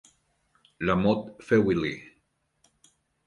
La Motte-Feuilly